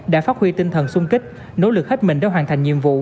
đã phát huy tinh thần sung kích nỗ lực hết mình để hoàn thành nhiệm vụ